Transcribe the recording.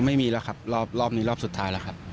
ไม่มีแล้วครับรอบนี้รอบสุดท้ายแล้วครับ